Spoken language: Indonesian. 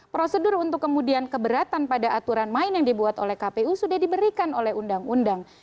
prosedur untuk kemudian keberatan pada aturan main yang dibuat oleh kpu sudah diberikan oleh undang undang